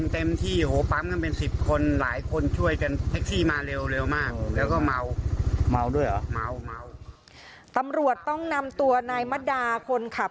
ตำรวจต้องนำตัวนายมดดาคนขับ